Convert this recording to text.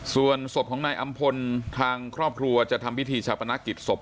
ส่วนศพของนายอำพลทางครอบครัวจะทำพิธีชาปนกิจศพ